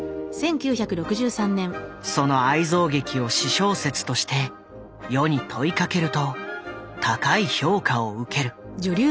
その愛憎劇を私小説として世に問いかけると高い評価を受ける。